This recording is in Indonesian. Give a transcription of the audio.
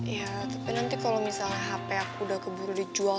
ya tapi nanti kalau misalnya hp aku udah keburu dijual